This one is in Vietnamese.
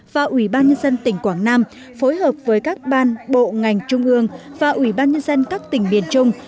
và ủy ban nhân dân tỉnh quảng nam phối hợp với các ban bộ ngành trung ương và ủy ban nhân dân các tỉnh miền trung